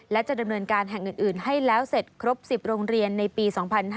และจะดำเนินการแห่งอื่นให้แล้วเสร็จครบ๑๐โรงเรียนในปี๒๕๕๙